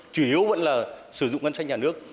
chủ yếu vẫn là sử dụng ngân sách nhà nước